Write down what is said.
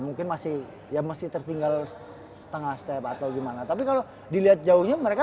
mungkin masih ya masih tertinggal setengah step atau gimana tapi kalau dilihat jauhnya mereka